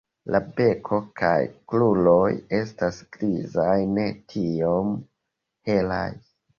La beko kaj kruroj estas grizaj, ne tiom helaj.